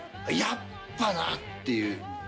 やっぱなっていう。